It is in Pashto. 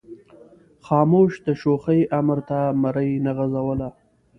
خاموش د شوخۍ امر ته مرۍ نه غځوله.